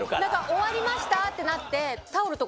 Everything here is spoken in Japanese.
終わりましたってなって。